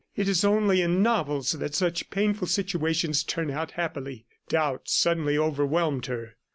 It is only in novels that such painful situations turn out happily." Doubt suddenly overwhelmed her.